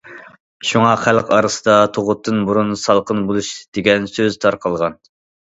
شۇڭا خەلق ئارىسىدا« تۇغۇتتىن بۇرۇن سالقىن بولۇش» دېگەن سۆز تارقالغان.